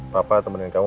papa temen kamu